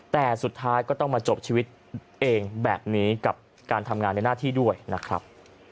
แต่สุดท้ายก็ต้องมาจบชีวิตเองแบบนี้กับการทำงานในหน้าที่ด้วยนะครับ